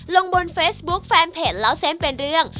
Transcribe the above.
ลงบนเฟซบุ๊คแฟนเพจเล่าเส้นเป็นเรื่อง